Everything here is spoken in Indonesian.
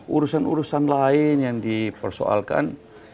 urusan urusan lain yang dipersoalkan